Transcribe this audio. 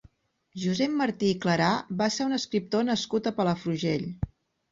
Josep Martí i Clarà va ser un escriptor nascut a Palafrugell.